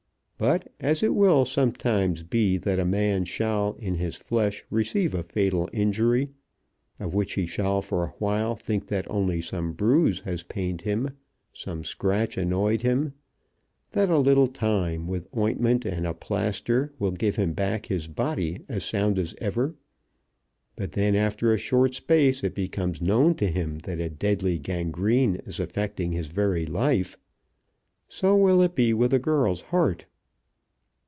But, as it will sometimes be that a man shall in his flesh receive a fatal injury, of which he shall for awhile think that only some bruise has pained him, some scratch annoyed him; that a little time, with ointment and a plaister, will give him back his body as sound as ever; but then after a short space it becomes known to him that a deadly gangrene is affecting his very life; so will it be with a girl's heart.